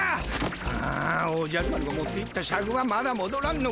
ああおじゃる丸が持っていったシャクはまだもどらんのか。